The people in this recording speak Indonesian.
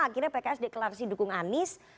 akhirnya pks deklarasi dukung anies